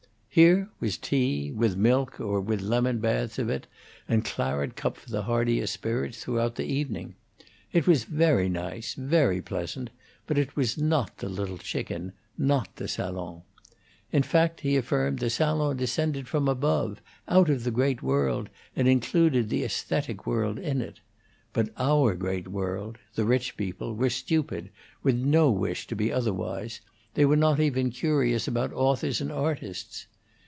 Here was tea, with milk or with lemon baths of it and claret cup for the hardier spirits throughout the evening. It was very nice, very pleasant, but it was not the little chicken not the salon. In fact, he affirmed, the salon descended from above, out of the great world, and included the aesthetic world in it. But our great world the rich people, were stupid, with no wish to be otherwise; they were not even curious about authors and artists.